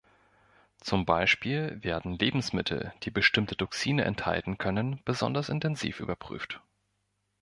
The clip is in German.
Zum Beispiel werden Lebensmittel, die bestimmte Toxine enthalten können, besonders intensiv überprüft.